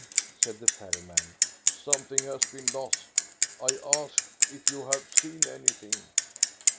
" said the ferryman. " Something has been lost. I ask if you have seen anything?